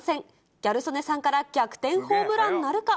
ギャル曽根さんから逆転ホームランなるか。